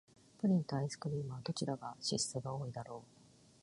プリンとアイスクリームは、どちらが脂質が多いのだろう。